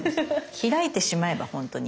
開いてしまえばほんとに。